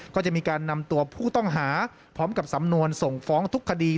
ก็จะมีการนำตัวผู้ต้องหาพร้อมกับสำนวนส่งฟ้องทุกคดี